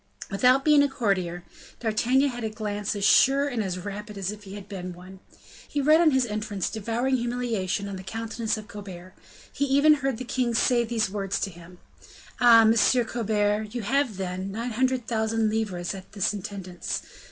Without being a courtier, D'Artagnan had a glance as sure and as rapid as if he had been one. He read, on his entrance, devouring humiliation on the countenance of Colbert. He even heard the king say these words to him: "Ah! Monsieur Colbert; you have then nine hundred thousand livres at the intendance?"